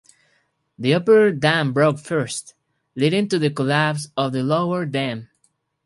The upper dam broke first, leading to the collapse of the lower dam.